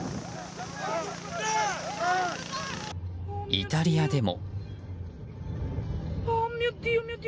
イタリアでも。